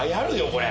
これ。